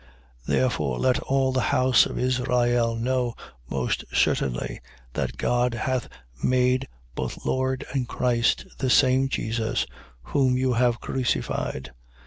2:36. Therefore let all the house of Israel know most certainly that God hath made both Lord and Christ, this same Jesus, whom you have crucified.